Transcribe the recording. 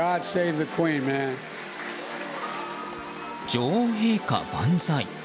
女王陛下万歳。